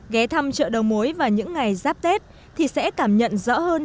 ghé thăm chợ đầu mối vào những ngày giáp tết thì sẽ cảm nhận rõ hơn